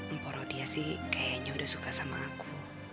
empora dia sih kayaknya udah suka sama aku